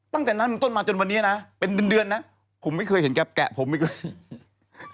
ตั้งแต่นั้นเป็นต้นมาจนวันนี้นะเป็นเดือนนะผมไม่เคยเห็นแกแกะผมอีกเลย